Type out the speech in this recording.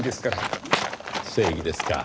正義ですか。